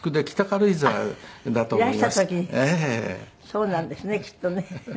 そうなんですねきっとね。